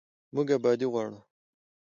موږ ابادي غواړو